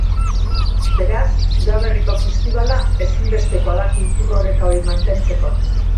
Beraz, udaberriko festibala ezinbestekoa da kultur oreka hori mantentzeko.